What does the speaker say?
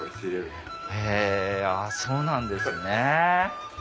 へぇそうなんですね。